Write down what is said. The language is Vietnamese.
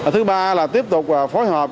thứ ba là tiếp tục phối hợp